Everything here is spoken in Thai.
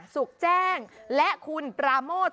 สุขแจ้งและคุณปราโมท